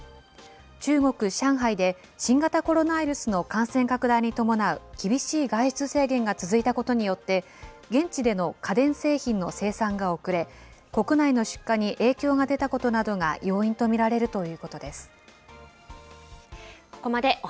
中国・上海で、新型コロナウイルスの感染拡大に伴う厳しい外出制限が続いたことによって、現地での家電製品の生産が遅れ、国内の出荷に影響が出たことなどが要因と見られるということです。